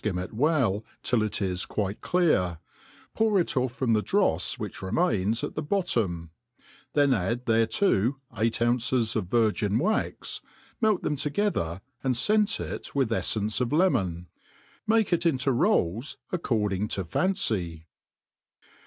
m it welf till it' is qtiite cUar, poihrit dfF frotti the drdfs ^hich remains , at the bottom'; then add thereto eight ounces of virgin*w>}r, melt them together, and fcent it with eflence of lemon i make it into rolls according to. iiincy.